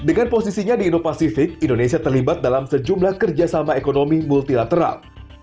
dengan posisinya di indo pasifik indonesia terlibat dalam sejumlah kerjasama ekonomi multilateral